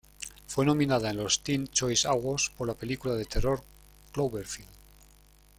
Fue nominada en los Teen Choice Awards por la película de terror "Cloverfield".